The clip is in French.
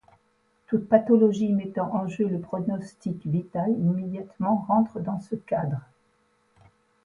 Toute pathologie mettant en jeu le pronostic vital immédiatement rentre dans ce cadre.